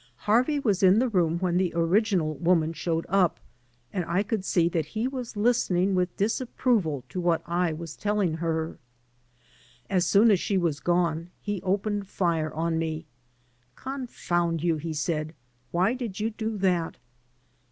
Harvey was in the room when the original woman showed up, and I could see that he was listening with disapproval to what I was telling her. As soon as she was gone he opened fire on me. "Confound you/' he said, "why did you do that?"